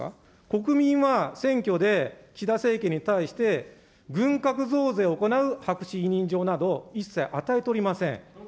国民は選挙で岸田政権に対して、軍拡増税を行う白紙委任状など一切与えておりません。